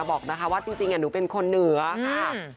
บอกนะคะว่าจริงหนูเป็นคนเหนือค่ะ